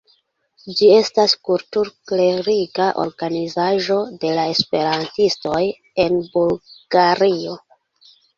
Ĝi estas kultur-kleriga organizaĵo de la esperantistoj en Bulgario.